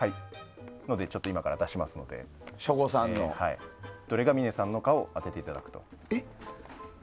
なので今から出しますのでどれが峰さんのかを当てていただくと。